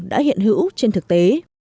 đã hiện hữu trên thực tế